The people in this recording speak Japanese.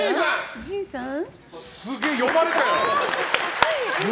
すげえ、呼ばれたよ。